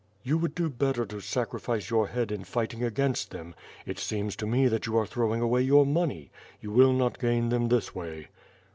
"You would do better to sacrifice your head in fighting against them; it seems to me that you are throwing away your money. You will not gain them this way."